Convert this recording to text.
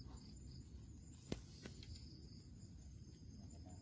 อ่ะเปิดแล้วน่ะ